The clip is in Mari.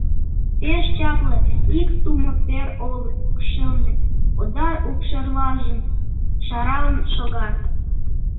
Пеш чапле ик тумо тӧр олык покшелне одар укшерлажым шаралын шога.